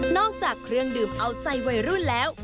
จากเครื่องดื่มเอาใจวัยรุ่นแล้ว